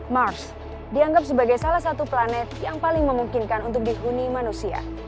mars dianggap sebagai salah satu planet yang paling memungkinkan untuk dihuni manusia